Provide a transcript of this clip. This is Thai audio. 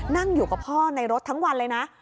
นั่งอยู่กับพ่อในรถทั้งวันเลยนะ